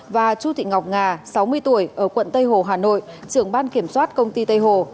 và chu thị ngọc nga sáu mươi tuổi ở quận tây hồ hà nội trưởng ban kiểm soát công ty tây hồ